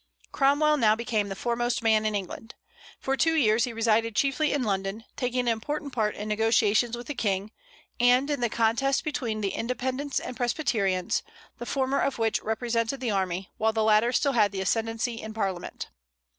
Cromwell now became the foremost man in England. For two years he resided chiefly in London, taking an important part in negotiations with the King, and in the contest between the Independents and Presbyterians, the former of which represented the army, while the latter still had the ascendency in Parliament.